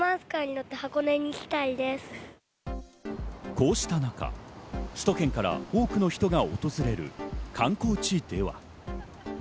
こうした中、首都圏から多くの人が訪れる観光地では。